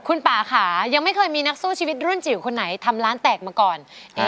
คุณป่าค่ะยังไม่เคยมีนักสู้ชีวิตรุ่นจิ๋วคนไหนทำร้านแตกมาก่อน